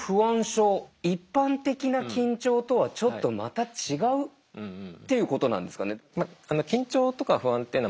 症一般的な緊張とはちょっとまた違うっていうことなんですかね？